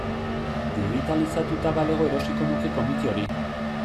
Digitalizatuta balego erosiko nuke komiki hori.